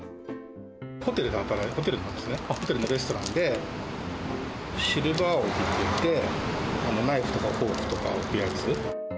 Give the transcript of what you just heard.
ホテルで働いてる、ホテルなんですね、ホテルのレストランで、シルバー置きっていって、ナイフとかフォークとか置くやつ。